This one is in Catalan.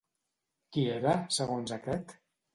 Qui era, segons aquest?